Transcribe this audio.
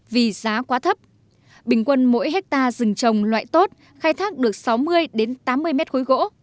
vì giá quá thấp bình quân mỗi hectare rừng trồng loại tốt khai thác được sáu mươi tám mươi mét khối gỗ